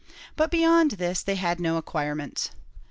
but beyond this they had no acquirements.